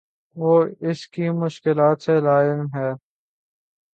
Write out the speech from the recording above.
وہ اس کی مشکلات سے لاعلم ہے